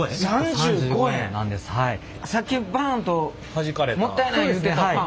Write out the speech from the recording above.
さっきバンともったいない言うてたパン？